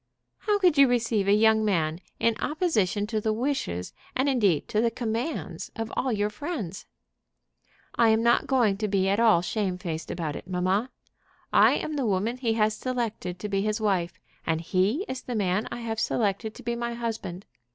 "How could you receive a young man in opposition to the wishes, and indeed to the commands, of all your friends?" "I'm not going to be at all shamefaced about it, mamma. I am the woman he has selected to be his wife, and he is the man I have selected to be my husband.